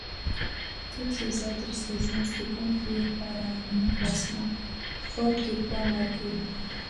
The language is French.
Toutes les autres saisons se conclurent par un non-classement, faute de point marqué.